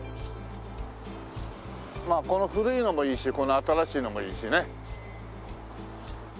まあこの古いのもいいしこの新しいのもいいしね。